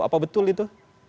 apa betul itu